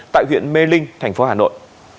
tại huyện mê linh thành phố hà nội